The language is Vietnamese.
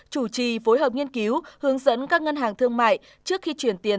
chủ trì phối hợp nghiên cứu hướng dẫn các ngân hàng thương mại trước khi chuyển tiền